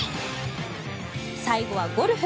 最後はゴルフ。